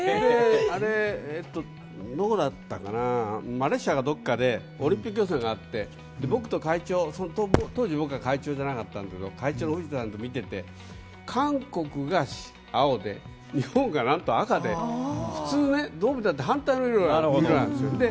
あれ、どこだったかなマレーシアかどこかでオリンピック予選があって僕と会長当時、僕は会長じゃなかったんだけど会長の藤田さんと見ていて韓国が青で日本がなんと赤で普通、どう見たって反対の色なんですよ。